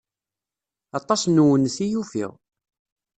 Aṭas n uwennet i ufiɣ.